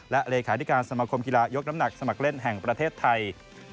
และเลขาธิการสมคมกีฬายกน้ำหนักสมัครเล่นแห่งประเทศไทย